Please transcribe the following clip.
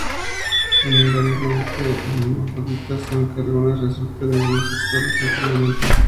Son invariablemente hermafroditas, aunque algunas resultan unisexuales funcionalmente.